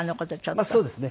まあそうですね。